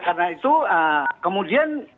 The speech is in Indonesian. karena itu kemudian